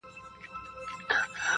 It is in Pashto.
په زرگونو حاضر سوي وه پوځونه-